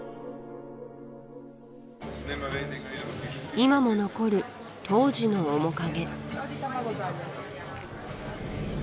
今も残る当時の面影